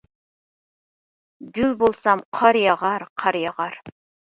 گۈل بولسام قار ياغار قار ياغار.